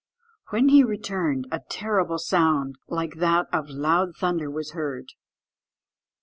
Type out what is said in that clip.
When he returned, a terrible sound like that of loud thunder was heard.